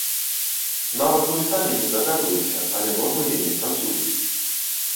Нават мы самі не здагадваемся, але нормы яе працуюць.